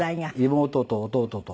妹と弟と。